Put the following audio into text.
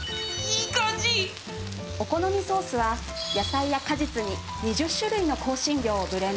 お好みソースは野菜や果実に２０種類の香辛料をブレンド。